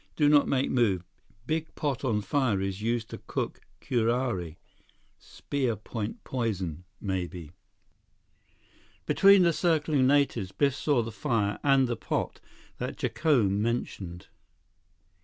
"Do not make move. Big pot on fire is used to cook curare. Spear point poison—maybe." Between the circling natives, Biff saw the fire and the pot that Jacome mentioned.